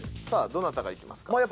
さあどなたがいきますか？